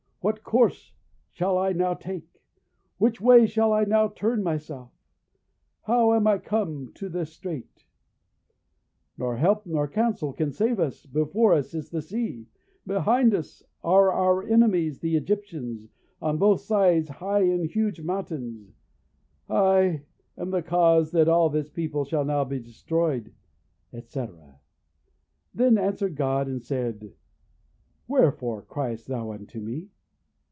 what course shall I now take? Which way shall I now turn myself? How am I come to this strait? No help nor counsel can save us: before us is the sea; behind us are our enemies the Egyptians; on both sides high and huge mountains; I am the cause that all this people shall now be destroyed," etc. Then answered God, and said, "Wherefore criest thou unto me?"